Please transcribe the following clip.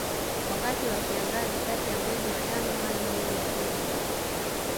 Wakati wa kiangazi kati ya mwezi wa tano hadi mwezi wa kumi na mbili